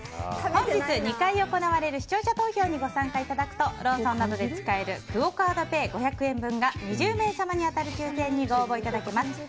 本日２回行われる視聴者投票にご参加いただくとローソンなどで使えるクオ・カードペイ５００円分が２０名様に当たる抽選にご応募いただけます。